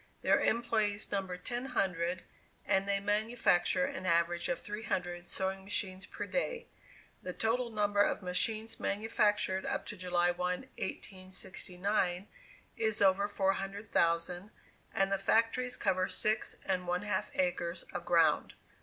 Their employees number ten hundred, and they manufacture an average of three hundred sewing machines per day; the total number of machines manufactured up to July 1, 1869, is over four hundred thousand, and the factories cover six and one half acres of ground.